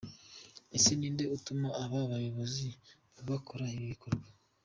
Ese ni inde utuma aba bayobozi gukora ibi bikorwa?